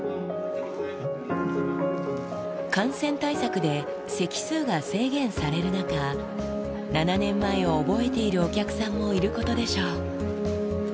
感染対策で席数が制限される中、７年前を覚えているお客さんもいることでしょう。